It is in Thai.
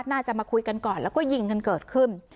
น่าจะมาคุยกันก่อนแล้วก็ยิงกันเกิดขึ้น